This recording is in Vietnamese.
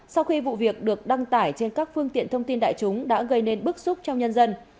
sau khi vụ việc được đăng tải trên các phương tiện thông tin đại chúng đã gây nên bức xúc trong nhân dân